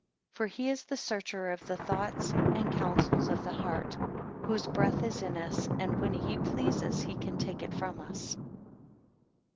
14 For he is the searcher of the thoughts and counsels of the heart; whose breath is in us, and when he pleases he can take it from us.